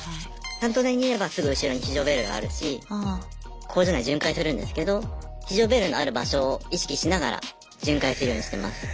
担当台にいればすぐ後ろに非常ベルがあるし工場内巡回するんですけど非常ベルのある場所を意識しながら巡回するようにしてます。